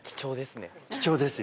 貴重ですよ。